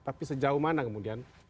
tapi sejauh mana kemudian